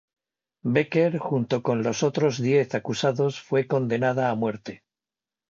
Becker, junto con los otros diez acusados, fue condenada a muerte.